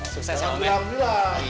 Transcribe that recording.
sukses ya om ya